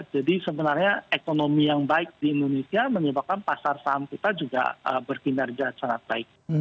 sebenarnya ekonomi yang baik di indonesia menyebabkan pasar saham kita juga berkinerja sangat baik